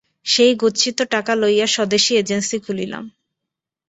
সেই গচ্ছিত টাকা লইয়া স্বদেশী এজেন্সি খুলিলাম।